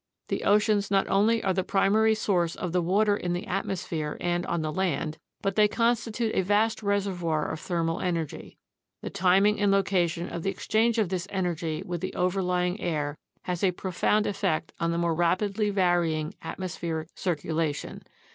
The oceans not only are the primary source of the water in the atmosphere and on the land, but they consti tute a vast reservoir of thermal energy. The timing and location of the exchange of this energy with the overlying air has a profound effect on the more rapidly varying atmospheric circulation.